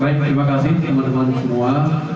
saya terima kasih teman teman semua